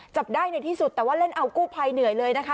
จับได้ในที่สุดแต่ว่าเล่นเอากู้ภัยเหนื่อยเลยนะคะ